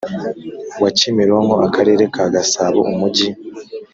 wa Kimironko Akarere ka Gasabo Umujyi